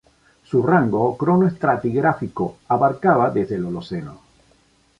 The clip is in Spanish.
Su rango cronoestratigráfico abarcaba desde el Holoceno.